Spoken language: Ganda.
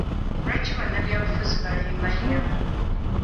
Lwaki bannabyabufuzi balimba nnyo?